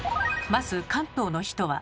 まず関東の人は。